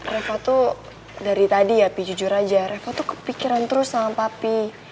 reva tuh dari tadi ya pi jujur aja reva tuh kepikiran terus sama papi